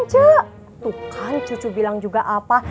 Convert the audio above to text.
kenceng cuk tuh kan cucu bilang juga apa